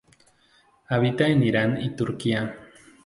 Habita en Irán y Turquía.